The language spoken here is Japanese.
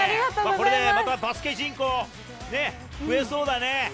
これでまたバスケ人口増えそうだね。